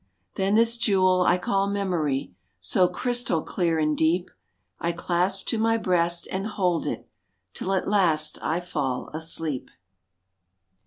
Then this jewel I call memory, So crystal clear and deep, I clasp to my breast and hold it, Till at last I fall asleep.